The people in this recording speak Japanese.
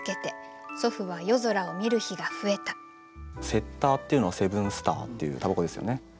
「セッター」っていうのは「セブンスター」っていうたばこですよね。